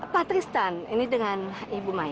patristan ini dengan ibu maya